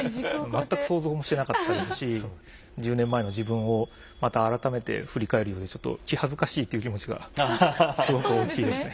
全く想像もしてなかったですし１０年前の自分をまた改めて振り返るようでちょっと気恥ずかしいっていう気持ちがすごく大きいですね。